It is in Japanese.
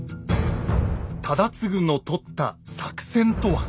忠次の取った作戦とは？